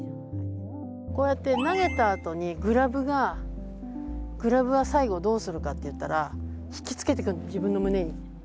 こうやって投げたあとにグラブは最後どうするかっていったら引きつけてくるの自分の胸に。